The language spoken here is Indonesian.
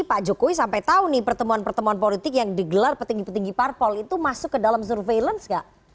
pak jokowi sampai tahu nih pertemuan pertemuan politik yang digelar petinggi petinggi parpol itu masuk ke dalam surveillance gak